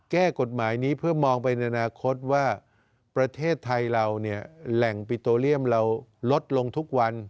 แก้กฎหมายนี้เพื่อมองไปในอนาคตว่าประเทศไทยเราเนี่ยแหล่งปิโตเรียมเราลดลงทุกวัน